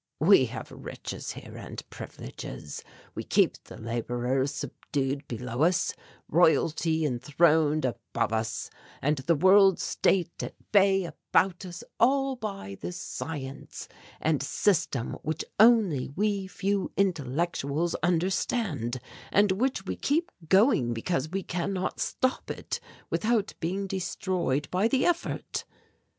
We have riches here and privileges. We keep the labourers subdued below us, Royalty enthroned above us, and the World State at bay about us, all by this science and system which only we few intellectuals understand and which we keep going because we can not stop it without being destroyed by the effort."